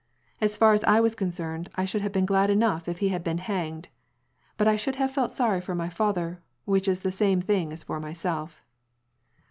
As far as he was concerned I should have been glad enough if he had been hanged ; but I should have felt sorry for my father, which is the same thing as for myself."